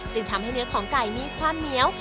ทำให้เนื้อของไก่มีความเหนียว